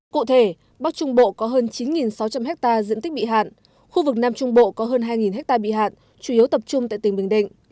cụ thể bắc trung bộ có hơn chín sáu trăm linh ha diện tích bị hạn khu vực nam trung bộ có hơn hai ha bị hạn chủ yếu tập trung tại tỉnh bình định